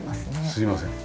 すいません。